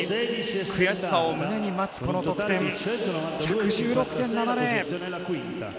悔しさを胸に待つこの得点。１１６．７０。